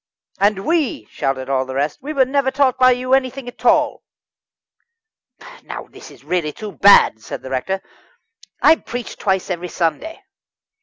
"And we," shouted the rest "we were never taught by you anything at all." "Now this is really too bad," said the rector. "I preached twice every Sunday."